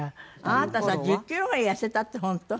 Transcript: あなたさ１０キロぐらい痩せたって本当？